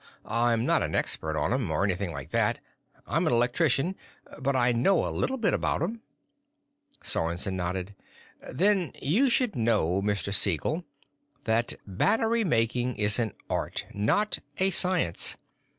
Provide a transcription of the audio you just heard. I'm not an expert on 'em, or anything like that. I'm an electrician. But I know a little bit about 'em." Sorensen nodded. "Then you should know, Mr. Siegel, that battery making is an art, not a science.